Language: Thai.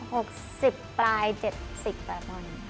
๖๐ปลาย๗๐ปลายประมาณนี้ครับ